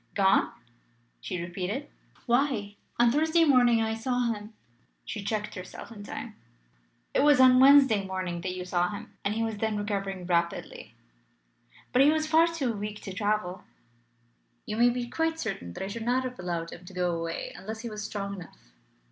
"Gone?" she repeated. "Why, on Thursday morning I saw him " She checked herself in time. "It was on Wednesday morning that you saw him, and he was then recovering rapidly." "But he was far too weak to travel." "You may be quite certain that I should not have allowed him to go away unless he was strong enough."